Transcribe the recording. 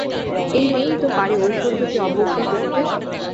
এই মেয়েই তো পারে ঐশ্বর্যকে অবজ্ঞা করতে।